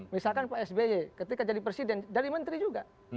misalkan pak sby ketika jadi presiden jadi menteri juga